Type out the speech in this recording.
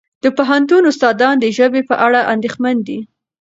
د پوهنتون استادان د ژبې په اړه اندېښمن دي.